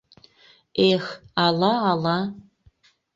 Эх, ала-ала!..